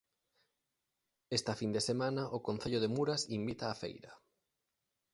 Esta fin de semana o concello de Muras invita á Feira!